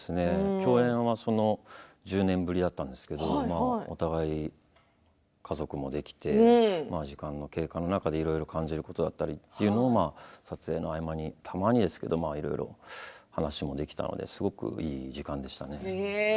共演は１０年ぶりだったんですけどお互い家族もできて時間の経過の中でいろいろ感じることだったりというのを撮影の合間にたまにですけどいろいろ話もできたのですごくいい時間でしたね。